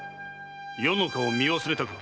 余の顔を見忘れたか？